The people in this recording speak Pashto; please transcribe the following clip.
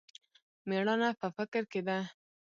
مېړانه په فکر کښې ده.